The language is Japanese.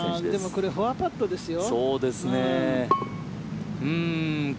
これフォアパットですよ。